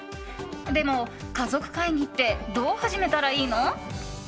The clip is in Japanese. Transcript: でも、かぞくかいぎってどう始めたらいいの？